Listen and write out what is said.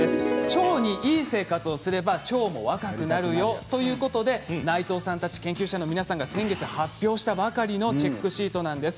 腸にいい生活をすれば腸も若くなるよということで内藤さんたち研究者の皆さんが先月発表したばかりのチェックシートなんです。